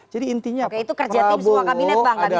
jadi intinya pak prabowo adalah